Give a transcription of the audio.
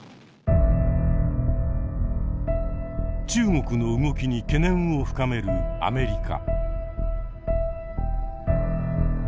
中国の動きに懸念を深めるアメリカ。